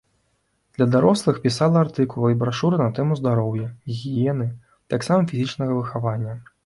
Для дарослых пісала артыкулы і брашуры на тэму здароўя, гігіены, таксама фізічнага выхавання.